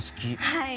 はい。